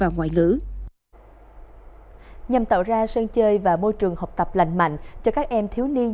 nhằm tạo ra sân chơi và môi trường học tập lành mạnh cho các em thiếu niên